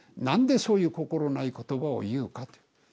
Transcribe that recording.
何でそういう心ない言葉を言うかって。